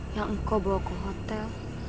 yang engkau bawa ke hotel